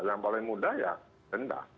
yang paling mudah ya rendah